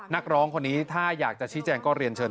นักร้องคนนี้ถ้าอยากจะชี้แจงก็เรียนเชิญ